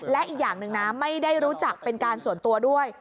และอีกอย่างหนึ่งนะไม่ได้รู้จักเป็นการส่วนตัวด้วย